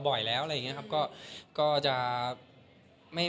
ก็เนียนก็ไม่ได้ระวังมาลงที